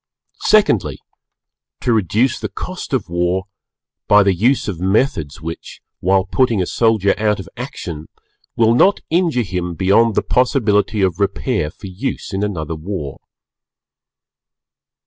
Secondly, to reduce the cost of war by the use of methods which, while putting a soldier out of action, will not injure him beyond the possibility of repair for use in another War.